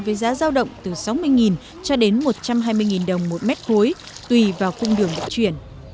với giá giao động từ sáu mươi cho đến một trăm hai mươi đồng một mét cuối tùy vào cung đường vận chuyển